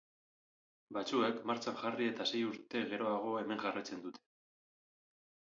Batzuek martxan jarri eta sei urte geroago hemen jarraitzen dute.